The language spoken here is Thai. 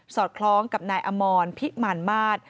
อดคล้องกับนายอมรพิมารมาศ